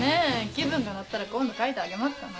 気分が乗ったら今度描いてあげますから。